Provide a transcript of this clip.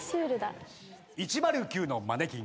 １０９のマネキン。